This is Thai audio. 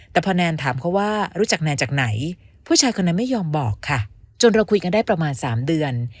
แต่พอแนนถามเขาว่ารู้จักแนนจากไหนผู้ชายคนนั้นไม่ยอมบอกค่ะจนเราคุยกันได้ประมาณ๓เดือน